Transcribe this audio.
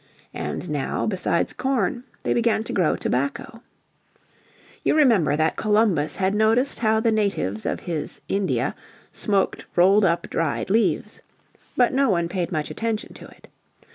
And now, besides corn, they began to grow tobacco. You remember that Columbus had noticed how the natives of his "India" smoked rolled up dried leaves. But, no one paid much attention to it.